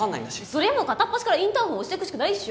そりゃもう片っ端からインターホン押してくしかないっしょ。